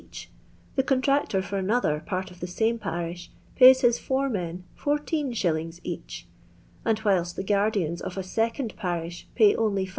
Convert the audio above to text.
each, the contractor for another part of the same parish, pays his 4 men 14«. each ;— and whilst the guardians of a second parish pay only 5«.